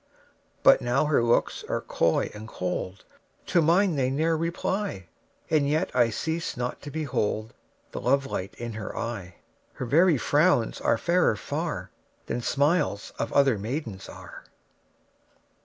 But now her looks are coy and cold, To mine they ne'er reply, And yet I cease not to behold The love light in her eye: 10 Her very frowns are fairer far Than smiles of other maidens are.